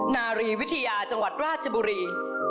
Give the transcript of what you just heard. นารีวิทยาจังหวัดราชบุรี